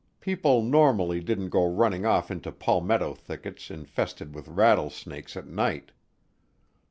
People normally didn't go running off into palmetto thickets infested with rattlesnakes at night.